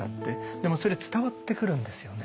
でもそれ伝わってくるんですよね